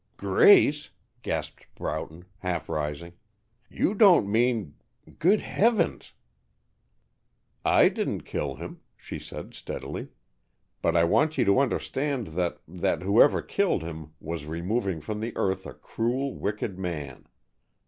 "Grace!" gasped Broughton, half rising. "You don't mean Good heavens!" "I didn't kill him," she said, steadily. "But I want you to understand that that whoever killed him was removing from the earth a cruel, wicked man.